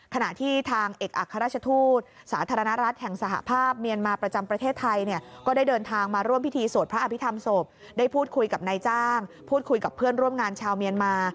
ขณะที่ทางเอกอัครราชทูตสาธารณรัฐแห่งสหภาพเมียนมาประจำประเทศไทยเนี่ยก็ได้เดินทางมาร่วมพิธีสวดพระอภิษฐรรมศพได้พูดคุยกับนายจ้างพูดคุยกับเพื่อนร่วมงานชาวเมียนมา